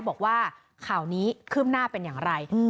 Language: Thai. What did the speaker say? บอกว่าข่าวนี้ขึ้นหน้าเป็นอย่างไร